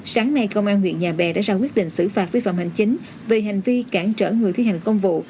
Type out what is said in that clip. sáng nay công an huyện nhà bè đã ra quyết định xử phạt vi phạm hành chính về hành vi cản trở người thi hành công vụ